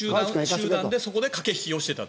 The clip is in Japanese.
そこで駆け引きをしていたと。